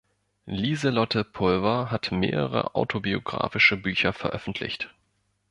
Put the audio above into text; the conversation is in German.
Liselotte Pulver hat mehrere autobiografische Bücher veröffentlicht.